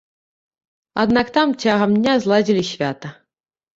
Аднак там цягам дня зладзілі свята.